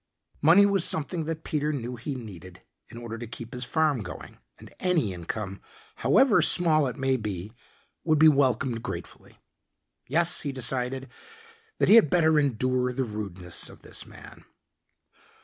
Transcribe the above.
Money was something that Peter knew he needed in order to keep his farm going, and any income, however small it may be, would be welcomed gratefully. Yes, he decided that he had better endure the rudeness of this man.